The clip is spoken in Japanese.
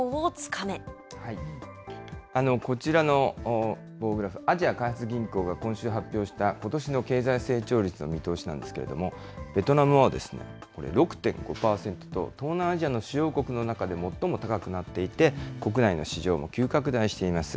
こちらの棒グラフ、アジア開発銀行が今週発表したことしの経済成長率の見通しなんですけれども、ベトナムはこれ、６．５％と、東南アジアの主要国の中で最も高くなっていて、国内の市場も急拡大しています。